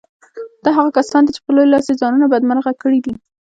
دا هغه کسان دي چې په لوی لاس يې ځانونه بدمرغه کړي دي.